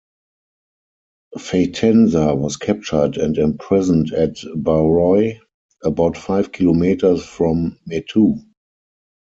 Fatansa was captured and imprisoned at Barroi, about five kilometers from Metu.